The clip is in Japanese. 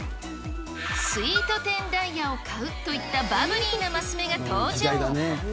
スウィートテンダイヤモンドを買うというバブリーなマス目が登場。